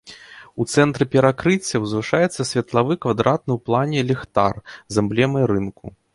У цэнтры перакрыцця ўзвышаецца светлавы квадратны ў плане ліхтар з эмблемай рынку.